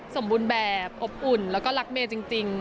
สมบูรณ์แบบอบอุ่นแล้วก็รักเมย์จริง